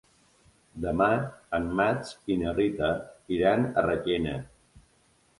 Demà en Max i na Rita iran a Requena.